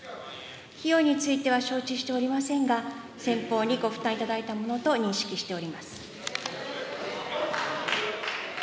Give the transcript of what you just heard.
費用については承知しておりませんが、先方にご負担いただいたものと認識しております。